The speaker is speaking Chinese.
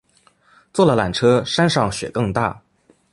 坐了缆车山上雪更大